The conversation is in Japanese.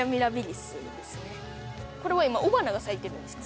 これは今雄花が咲いてるんですか？